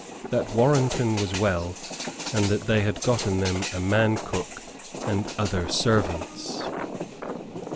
That Warrenton was well, and that they had gotten them a man cook and other servants.